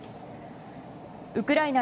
ウクライナ